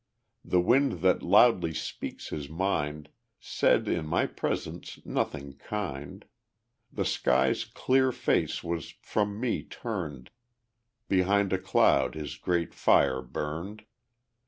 The wind that loudly speaks his mind, Said in my presence nothing kind. The sky's clear face was from me turned, Behind a cloud his great fire burned.